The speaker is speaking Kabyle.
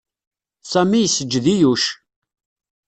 Sami yesǧed i Yuc.